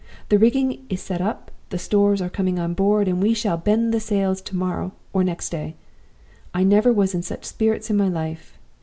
The rigging is set up, the stores are coming on board, and we shall bend the sails to morrow or next day. I never was in such spirits in my life.